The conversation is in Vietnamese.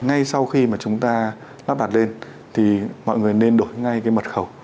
ngay sau khi mà chúng ta lắp đặt lên thì mọi người nên đổi ngay cái mật khẩu